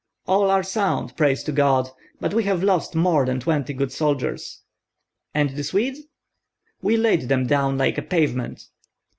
"All are sound, praise to God; but we have lost more than twenty good soldiers." "And the Swedes?" "We laid them down like a pavement."